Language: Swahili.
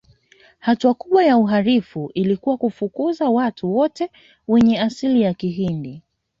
Hatua kubwa ya uharibifu ilikuwa kufukuza watu wote wenye asili ya Kihindi